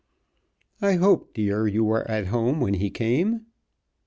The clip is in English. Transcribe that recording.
I hope, dear, you were at home when he came."